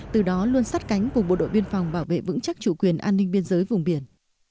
từ đó luôn sát cánh cùng bộ đội biên phòng bảo vệ vững chắc chủ quyền an ninh biên giới vùng biển